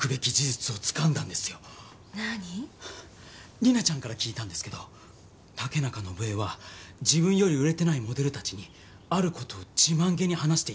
里奈ちゃんから聞いたんですけど竹中伸枝は自分より売れてないモデル達にある事を自慢げに話していたんですよ。